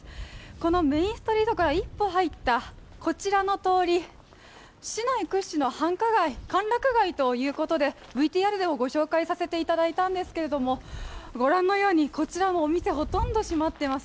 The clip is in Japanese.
このメインストリートから１本入ったこちらの通り、市内屈指の繁華街、歓楽街ということでＶＴＲでもご紹介させていただいたんですけれどもご覧のようにこちらもお店、ほとんど閉まってます。